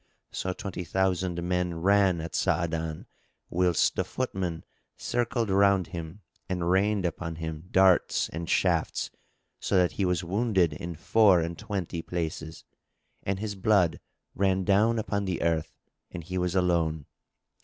So twenty thousand men ran at Sa'adan, whilst the footmen circled round him and rained upon him darts and shafts so that he was wounded in four and twenty places, and his blood ran down upon the earth, and he was alone.